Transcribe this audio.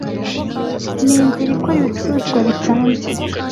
ninzira ikora ibicuruzwa bisanzwe